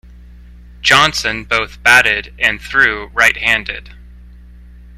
Johnson both batted and threw right-handed.